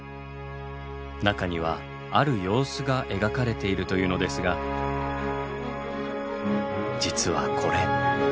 中にはある様子が描かれているというのですが実はこれ。